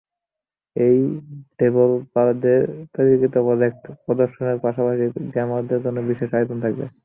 এদিন ডেভেলপারদের তৈরিকৃত প্রজেক্ট প্রদর্শনের পাশাপাশি গেমার জন্য বিশেষ আয়োজন থাকবে।